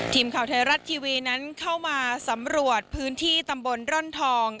ทีมข่าวไทยรัฐทีวีนั้นเข้ามาสำรวจพื้นที่ตำบลร่อนทอง